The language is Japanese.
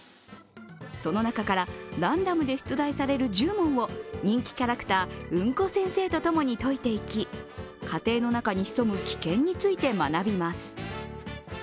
その中からランダムで出題される１０問を人気キャラクター、うんこ先生とともに解いていき家庭の中に潜む危険について学びます。